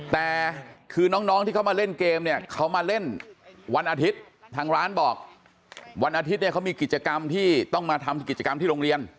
แต่คือน้องที่เขามาเล่นเกมเนี่ยเขามาเล่นวันอาทิตย์ทางร้านบอกวันอาทิตย์เนี่ยเขามีกิจกรรมที่ต้องมาทำกิจกรรมที่โรงเรียน